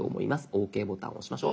「ＯＫ」ボタンを押しましょう。